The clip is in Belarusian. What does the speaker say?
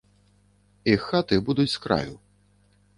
Іх хаты будуць с краю.